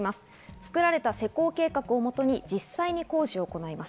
作られた施工計画を基に実際に工事を行います。